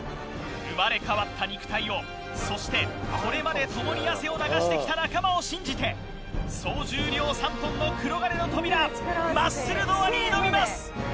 生まれ変わった肉体をそしてこれまで共に汗を流してきた仲間を信じて総重量３ｔのくろがねの扉マッスルドアに挑みます！